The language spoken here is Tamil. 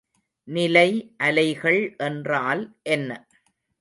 நிலை அலைகள் என்றால் என்ன?